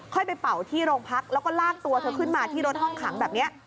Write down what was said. ไปเป่าที่โรงพักแล้วก็ลากตัวเธอขึ้นมาที่รถห้องขังแบบนี้